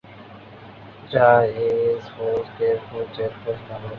যা S force, K force, Z force নামে পরিচিত।